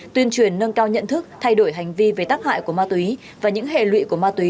tuyên truyền nâng cao nhận thức thay đổi hành vi về tác hại của ma túy và những hệ lụy của ma túy